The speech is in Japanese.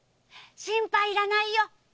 心配いらないよ。